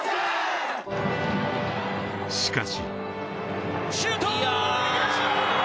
しかし。